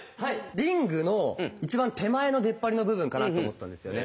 リングの一番手前の出っ張りの部分かなと思ったんですよね。